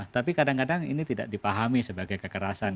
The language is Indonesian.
tapi kadang kadang ini tidak dipahami sebagai kekerasan